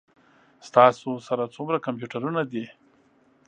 ستاسو سره څومره کمپیوټرونه دي؟